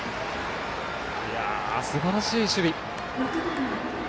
すばらしい守備でした。